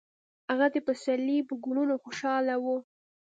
هغه د پسرلي په ګلونو خوشحاله و.